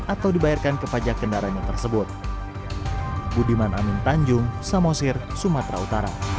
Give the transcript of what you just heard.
atau dibayarkan ke pajak kendaraannya tersebut